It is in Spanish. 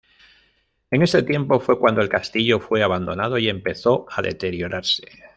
En este tiempo fue cuando el castillo fue abandonado y empezó a deteriorarse.